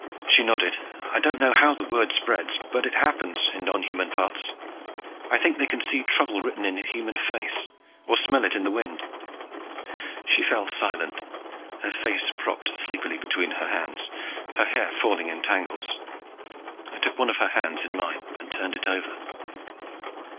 She nodded. "I don't know how the word spreads, but it happens, in nonhuman parts. I think they can see trouble written in a human face, or smell it on the wind." She fell silent, her face propped sleepily between her hands, her hair falling in tangles. I took one of her hands in mine and turned it over.